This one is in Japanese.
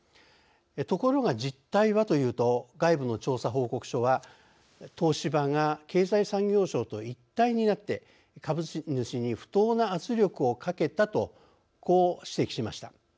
ところが実態はというと外部の調査報告書は東芝が経済産業省と一体になって株主に不当な圧力をかけたとこう指摘しました。